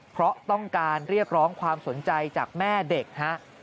เพราะต้องการเรียกร้องความสนใจจากแม่เด็กฮะ